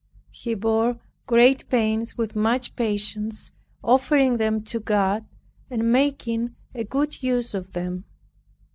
He bore great pains with much patience offering them to God and making a good use of them.